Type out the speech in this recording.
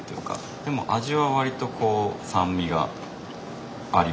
でも味は割とこう酸味がありますかね。